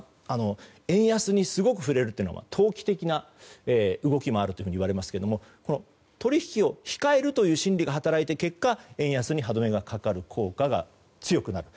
円安にすごく振れるというのは投機的な動きもあるといわれますが、取引を控えるという心理が働いて、結果円安に歯止めがかかる効果が強くなる。